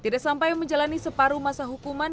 tidak sampai menjalani separuh masa hukuman